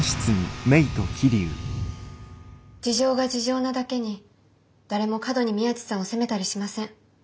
事情が事情なだけに誰も過度に宮地さんを責めたりしません。